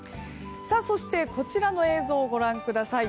そして、こちらの映像をご覧ください。